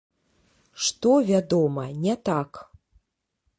Што, вядома, не так.